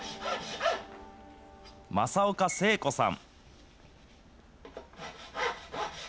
政岡聖子さん。